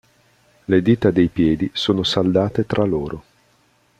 Le dita dei piedi sono saldate tra loro.